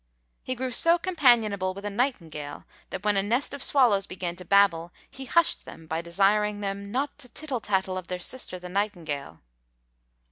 He grew so companionable with a nightingale, that when a nest of swallows began to babble, he hushed them by desiring them not to tittle tattle of their sister, the nightingale.